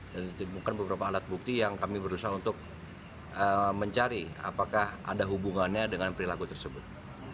dan ditemukan beberapa alat bukti yang kami berusaha untuk mencari apakah ada hubungannya dengan perilaku tersebut